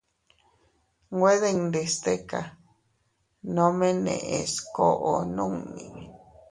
Nwe dindi stika, nome neʼes koʼo nunni.